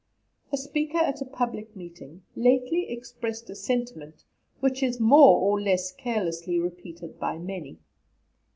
A speaker at a public meeting lately expressed a sentiment which is more or less carelessly repeated by many.